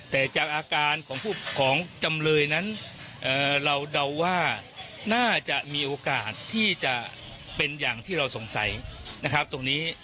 แต่จากอาการของจำเลยนั้นเราเดาว่าน่าจะมีโอกาสที่จะเป็นอย่างที่เราสงสัยนะครับตรงนี้